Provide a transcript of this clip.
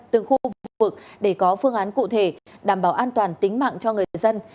từng khu vực để có phương án cụ thể đảm bảo an toàn tính mạng cho người dân